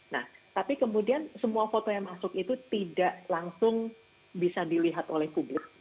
nah tapi kemudian semua foto yang masuk itu tidak langsung bisa dilihat oleh publik